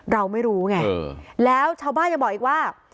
เราไม่รู้ไงแล้วชาวบ้านยังบอกอีกว่า